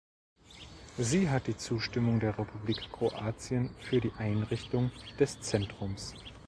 Sie hat die Zustimmung der Republik Kroatien für die Einrichtung des Zentrums.